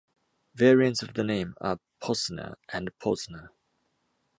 Variants of the name are Posener and Pozner.